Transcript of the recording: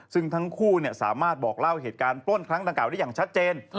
ซึ่งทั้งคู่สามารถบอกเล่าเหตุการณ์ปล้นครั้งดังกล่าได้อย่างชัดเจน